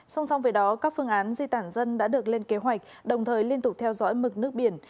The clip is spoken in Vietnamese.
song song với đó các phương án di tản dân đã được lên kế hoạch đồng thời liên tục theo dõi mực nước biển